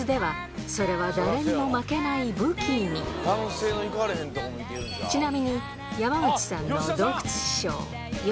しかしちなみに山口さんの洞窟師匠